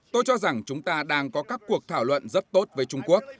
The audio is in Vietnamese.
tôi cho rằng chúng ta đang có các cuộc thảo luận rất tốt với trung quốc